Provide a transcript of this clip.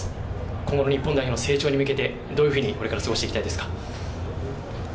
今後の日本代表の成長に向けてこれからどういうふうに過ごしていきたいですか。